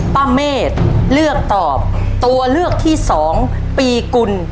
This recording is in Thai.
เมฆเลือกตอบตัวเลือกที่๒ปีกุล